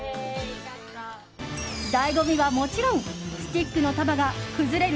醍醐味は、もちろんスティックの束が崩れる？